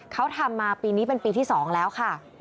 เขาทำมาปีนี้เป็นปีที่๒แล้วค่ะ